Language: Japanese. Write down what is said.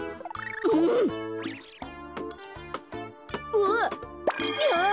うわっ！